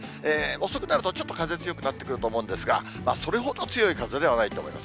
遅くなるとちょっと風強くなってくると思うんですが、それほど強い風ではないと思います。